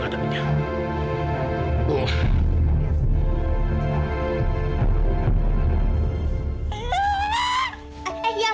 ya ampun bundan